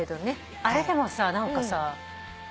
あれでも何かさ